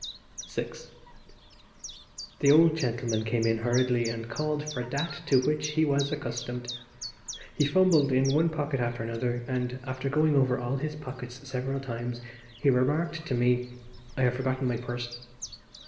VI The old gentleman came in hurriedly and called for that to which he was accustomed. He fumbled in one pocket after another, and after going over all his pockets several times he remarked to me "I have forgotten my purse."